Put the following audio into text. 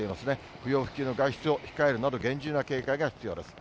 不要不急の外出を控えるなど、厳重な警戒が必要です。